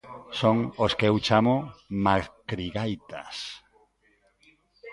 Son os que eu chamo "macrigaitas".